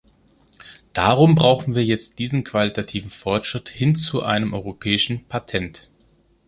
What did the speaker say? Darum brauchen wir jetzt diesen qualitativen Fortschritt hin zu einem Europäischen Patent.